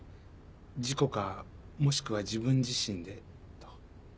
事故かもしくは自分自身でと。